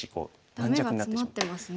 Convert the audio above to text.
ダメがツマってますね。